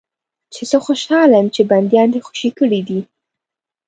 چې زه خوشاله یم چې بندیان دې خوشي کړي دي.